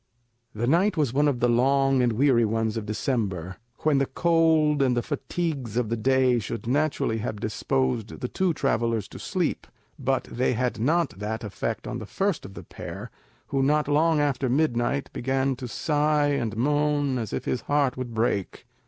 The night was one of the long and weary ones of December, when the cold and the fatigues of the day should naturally have disposed the two travellers to sleep; but they had not that effect on the first of the pair, who not long after midnight began to sigh and moan as if his heart would break.